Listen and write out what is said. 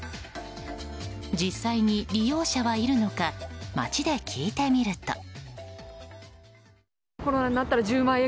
実際に利用者はいるのか街で聞いてみると。